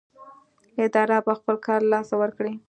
اداره به خپل کار له لاسه ورکړي.